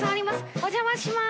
お邪魔します。